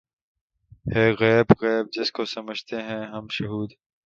ہے غیب غیب‘ جس کو سمجھتے ہیں ہم شہود